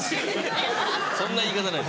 そんな言い方ない。